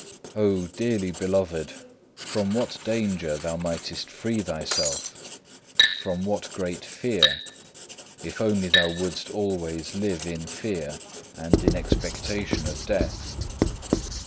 6. Oh, dearly beloved, from what danger thou mightest free thyself, from what great fear, if only thou wouldst always live in fear, and in expectation of death!